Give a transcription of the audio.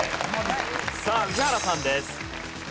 さあ宇治原さんです。